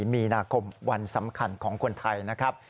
มีนาคมวันสำคัญของคนไทยนะครับ